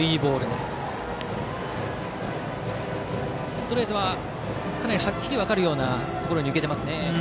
ストレートはかなりはっきり分かるようなところに抜けてます。